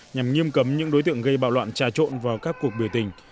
nhằm nghiêm cấm những đối tượng gây bạo loạn trà trộn vào các cuộc biểu tình